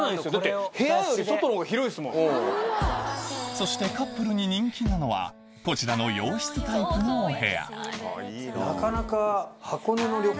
そしてカップルに人気なのはこちらの洋室タイプのお部屋なかなか。